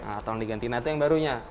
atau yang diganti nanti yang barunya